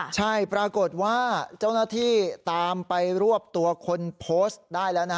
ใช่ปรากฏว่าเจ้าหน้าที่ตามไปรวบตัวคนโพสต์ได้แล้วนะ